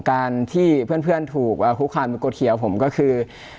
การที่เพื่อนถูกและฮุคคารมึงโกเทียผมก็คือ